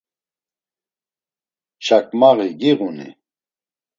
Çakmaği giğuni?